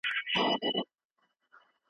د بدلون پر مهال يې د خلکو احساسات سنجول.